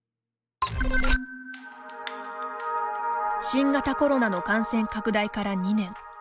新型コロナの感染拡大から２年。